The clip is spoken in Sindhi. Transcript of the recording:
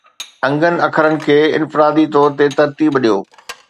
انگن اکرن کي انفرادي طور تي ترتيب ڏيو